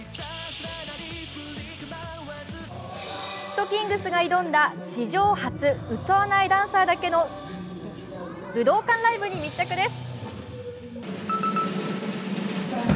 ｔｋｉｎｇｚが挑んだ史上初歌わないダンサーだけの武道館ライブに密着です。